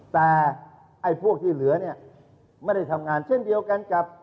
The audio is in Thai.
แต่ไอ้พวกที่เหลือเนี่ยไม่ได้ทำงานเช่นเดียวกันกับ